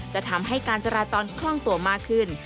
จะทำให้การจราจรคล่องตัวมากขึ้น